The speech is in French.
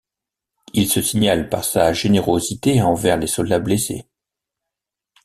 Il se signale par sa générosité envers les soldats blessés.